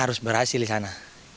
harus berhasil di sana